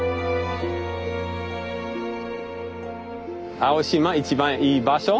青島一番いい場所。